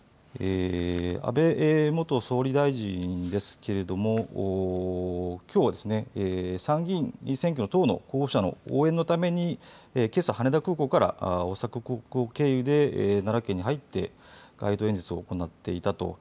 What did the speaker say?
安倍元総理大臣ですけれどもきょうは参議院選挙の党の候補者の応援のためにけさ羽田空港から大阪空港経由で奈良県に入って街頭演説を行っていたと。